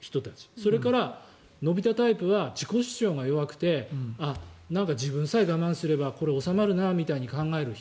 それから、のび太タイプは自己主張が弱くて自分さえ我慢すればこれ、収まるなって考える人。